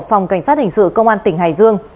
phòng cảnh sát hình sự công an tỉnh hải dương